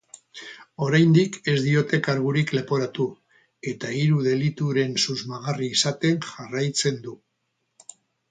Oraindik ez diote kargurik leporatu, eta hiru delituren susmagarri izaten jarraitzen du.